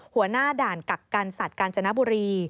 หัวหน้าด่านกักกันสัตว์กาญจนบุรี